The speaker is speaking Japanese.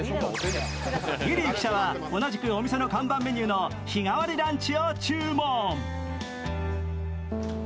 リリー記者は同じくお店の看板メニューの日替わりランチ。